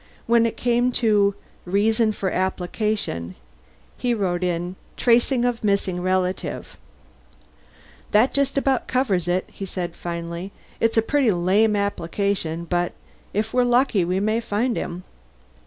When it came to REASON FOR APPLICATION, he wrote in, Tracing of missing relative. "That just about covers it," he said finally. "It's a pretty lame application, but if we're lucky we may find him."